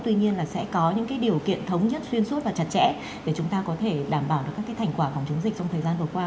tuy nhiên là sẽ có những điều kiện thống nhất xuyên suốt và chặt chẽ để chúng ta có thể đảm bảo được các thành quả phòng chống dịch trong thời gian vừa qua